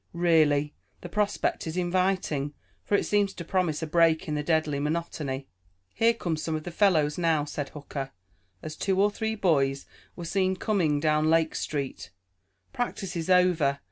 Really, the prospect is inviting, for it seems to promise a break in the deadly monotony." "Here come some of the fellows now," said Hooker, as two or three boys were seen coming down Lake Street. "Practice is over.